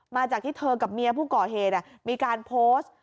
มาจากที่เธอกับเมียผู้ก่อเหตุมีการโพสต์